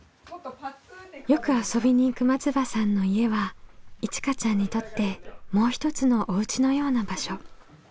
よく遊びに行く松場さんの家はいちかちゃんにとってもう一つのお家のような場所。